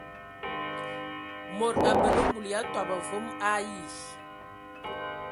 Mod abələ ngul ya tobɔ vom ayi.